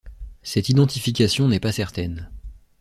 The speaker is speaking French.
Cette identification n'est pas certaine.